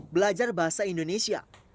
belajar bahasa indonesia